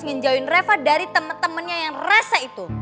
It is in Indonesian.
ngejauhin reva dari temen temennya yang rese itu